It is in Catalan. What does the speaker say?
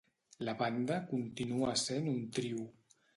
La banda continua sent un trio.